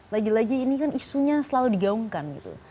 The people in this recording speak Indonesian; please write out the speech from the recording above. lagi lagi ini kan isunya selalu digaungkan gitu